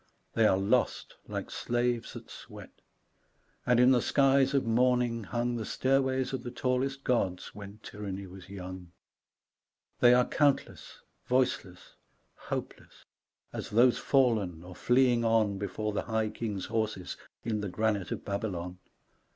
They are lost like slaves that swat, and in the skies of morning hung The stairways of the tallest gods when tyranny was young. G. K. CHESTERTON 43 They are countless, voiceless, hopeless as those fallen or fleeing on Before the high Kings' horses in the granite of Babylon.